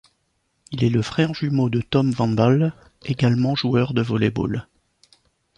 Il est le frère jumeau de Tom Van Walle, également joueur de volley-ball.